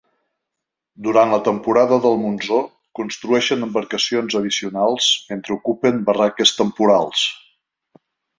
Durant la temporada del monsó, construeixen embarcacions addicionals, mentre ocupen barraques temporals.